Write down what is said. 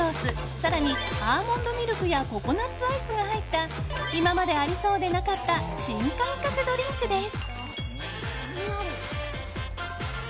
更にアーモンドミルクやココナツアイスが入った今までありそうでなかった新感覚ドリンクです。